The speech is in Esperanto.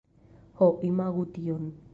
Ho, imagu tion!